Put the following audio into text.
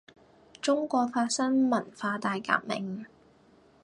中國發生文化大革命